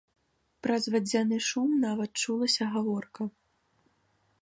Праз вадзяны шум нават чулася гаворка.